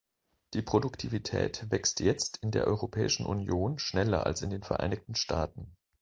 Die Produktivität wächst jetzt in der Europäischen Union schneller als in den Vereinigten Staaten.